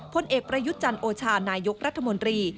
พลเอกประยุทธ์จันโอชานายกรัฐมนตรี